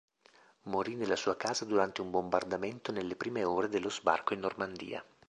Morì nella sua casa durante un bombardamento nelle prime ore dello Sbarco in Normandia.